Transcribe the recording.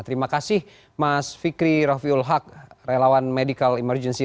terima kasih mas fikri raffiul haq relawan medical emergency